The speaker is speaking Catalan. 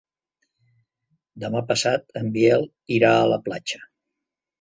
Demà passat en Biel irà a la platja.